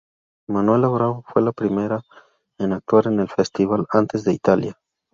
Manuela Bravo fue la primera en actuar en el festival, antes de Italia.